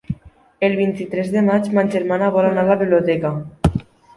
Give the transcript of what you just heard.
El vint-i-tres de maig ma germana vol anar a la biblioteca.